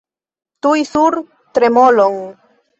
Tuj sur tremolon!